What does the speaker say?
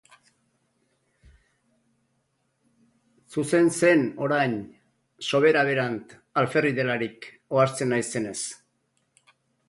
Zuzen zen, orain, sobera berant, alferrik delarik, ohartzen naizenez.